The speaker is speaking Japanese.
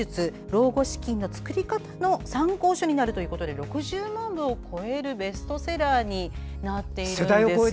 老後資金の作り方の参考書になると６０万部を超えるベストセラーになっているんです。